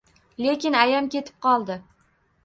Lekin ayam ketib qoldi